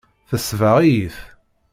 Tesbeɣ-iyi-t.